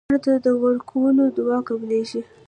مړه ته د ورکو دعا قبلیږي